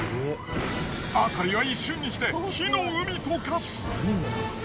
辺りは一瞬にして火の海と化す。